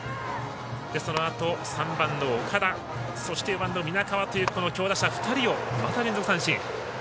そのあと３番の岡田、４番の皆川という強打者２人をまた連続三振。